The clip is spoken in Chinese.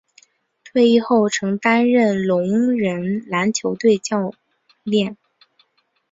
退役后曾担任聋人篮球队教练。